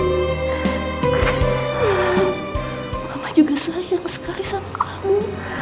bapak juga sayang sekali sama kamu